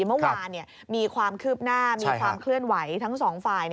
เมื่อวานมีความคืบหน้ามีความเคลื่อนไหวทั้งสองฝ่าย